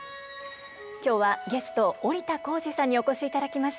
今日はゲスト織田紘二さんにお越しいただきました。